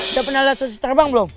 udah pernah lihat sosis terbang belom